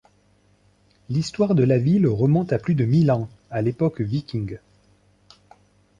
L’histoire de la ville remonte à plus de mille ans — à l’époque Viking.